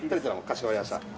かしこまりました。